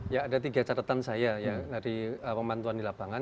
ya ada tiga catatan saya ya dari pemantuan di lapangan